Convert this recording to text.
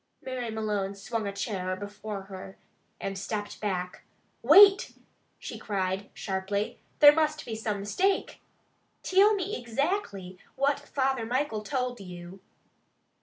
Mary Malone swung a chair before her, and stepped back. "Wait!" she cried sharply. "There must be some mistake. Till me ixactly what Father Michael told you?"